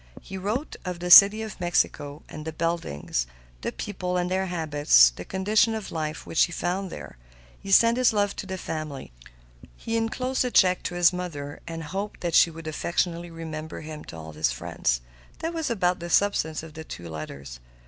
He wrote of the City of Mexico, the buildings, the people and their habits, the conditions of life which he found there. He sent his love to the family. He inclosed a check to his mother, and hoped she would affectionately remember him to all his friends. That was about the substance of the two letters.